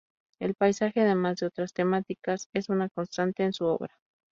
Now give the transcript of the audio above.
El paisaje, además de otras temáticas, es una constante en su obra.